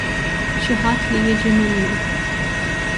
Xi ħadd li jiġi minnu?